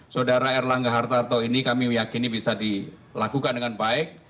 saudara erlangga hartarto ini kami meyakini bisa dilakukan dengan baik